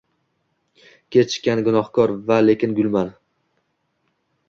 Kechikkan, gunohkor… va lekin gulman.